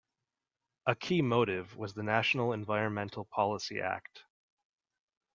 A key motive was the National Environmental Policy Act.